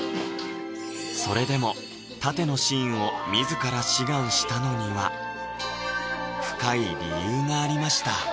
それでも殺陣のシーンを自ら志願したのには深い理由がありました